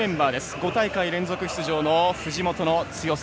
５大会連続出場の藤本の強さ。